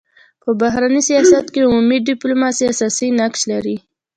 په بهرني سیاست کي عمومي ډيپلوماسي اساسي نقش لري.